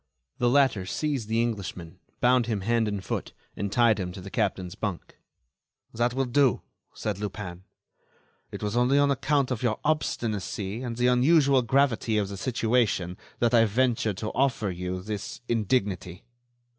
The latter seized the Englishman, bound him hand and foot, and tied him to the captain's bunk. "That will do," said Lupin. "It was only on account of your obstinacy and the unusual gravity of the situation, that I ventured to offer you this indignity."